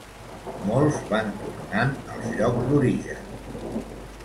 Molts van tornant als llocs d’origen.